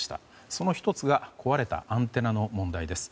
その１つが壊れたアンテナの問題です。